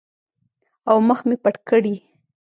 او مخ مې پټ کړي.